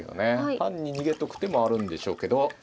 単に逃げとく手もあるんでしょうけど。